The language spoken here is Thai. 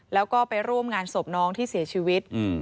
แล้วก็ไปร่วมงานศพน้องที่เสียชีวิต